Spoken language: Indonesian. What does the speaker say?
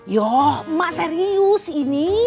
yoh mak serius ini